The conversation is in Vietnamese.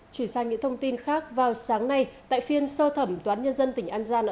chuyển sang những thông tin khác vào sáng nay tại phiên sơ thẩm toán nhân dân tỉnh an giang